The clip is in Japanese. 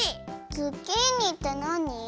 ズッキーニってなに？